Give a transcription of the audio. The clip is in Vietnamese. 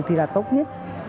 thì là tốt nhất